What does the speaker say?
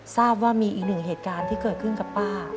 ทราบว่ามีอีกหนึ่งเหตุการณ์ที่เกิดขึ้นกับป้า